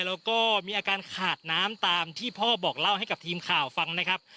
แล้วก็มีอาการขาดน้ำตามที่พ่อบอกเล่าให้กับทีมข่าวฟังนะครับ